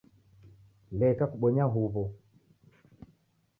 Leka kubonya uw'o